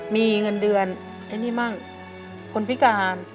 มีเงินเดือนไอ้นี่มั่งคนพิการ